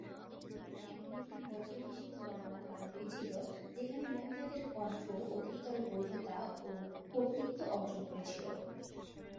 এটি এমন একটি বছর হিসাবে বর্ণনা করা হয়েছিল, যেখানে মহিলাদের কণ্ঠ অধিকতর বৈধতা ও কর্তৃত্ব অর্জন করেছিল।